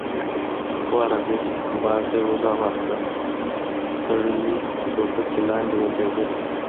ورغی، بار ته يې اوږه ورکړه، تړلې ټوپکې لاندې ولوېدې.